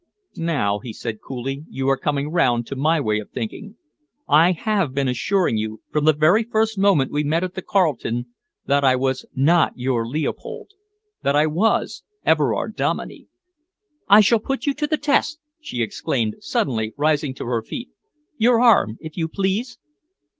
"Now," he said coolly, "you are coming round to my way of thinking. I have been assuring you, from the very first moment we met at the Carlton, that I was not your Leopold that I was Everard Dominey." "I shall put you to the test," she exclaimed suddenly, rising to her feet. "Your arm, if you please."